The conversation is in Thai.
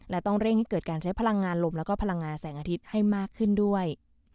และต้องเร่งให้เกิดการใช้พลังงานลมแล้วก็พลังงานแสงอาทิตย์ให้มากขึ้นด้วย